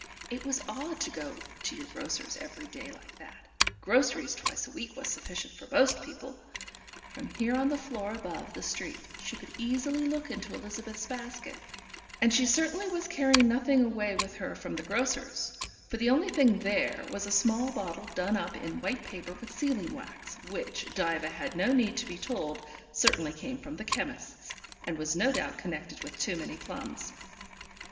It was odd to go to your grocer's every day like that: groceries twice a week was sufficient for most people. From here on the floor above the street she could easily look into Elizabeth's basket, and she certainly was carrying nothing away with her from the grocer's, for the only thing there was a small bottle done up in white paper with sealing wax, which, Diva had no need to be told, certainly came from the chemist's, and was no doubt connected with too many plums.